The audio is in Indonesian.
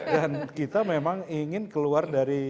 dan kita memang ingin keluar dari